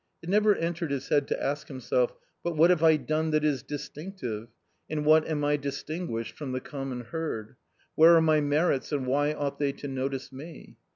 It never entered his head to ask himself : But what have I done that is distinctive, in what am I dis tinguished from the common herd ? Where are my merits and why ought they to notice me?